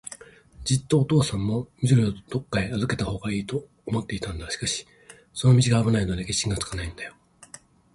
じつはおとうさんも、緑をどっかへあずけたほうがいいとは思っていたんだ。しかし、その道があぶないので、決心がつかないんだよ。